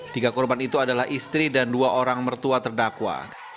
tiga korban itu adalah istri dan dua orang mertua terdakwa